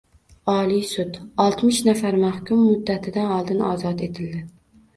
Oliy sud: Oltmish nafar mahkum muddatidan oldin ozod etildi